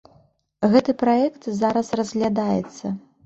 Гэты праект зараз разглядаецца.